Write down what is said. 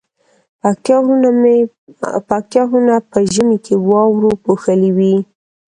پکتيا غرونه په ژمی کی واورو پوښلي وی